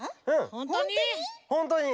ほんとに！